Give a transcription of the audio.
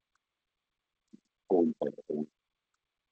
It is owned by Kohl's.